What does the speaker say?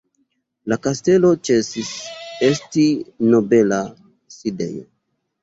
La kastelo ĉesis esti nobela sidejo.